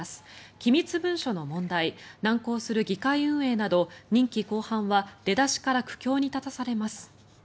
機密文書の問題難航する議会運営など任期後半は出だしから苦境に立たされます。